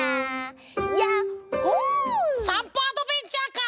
「さんぽアドベンチャー」か！